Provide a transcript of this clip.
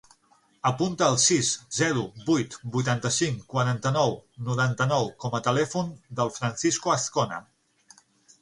Apunta el sis, zero, vuit, vuitanta-cinc, quaranta-nou, noranta-nou com a telèfon del Francisco Azcona.